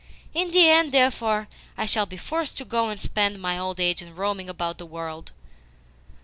In the end, therefore, I shall be forced to go and spend my old age in roaming about the world."